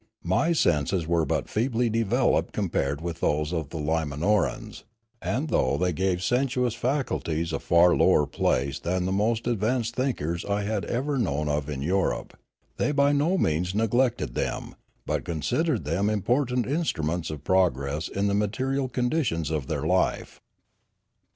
My senses were but feebly developed compared with those of the Limanorans; and though they gave sensuous faculties a far lower place than the most advanced thinkers I had ever known of in Europe, they by no means neglected them, but considered them important instruments of progress in the material conditions of their life.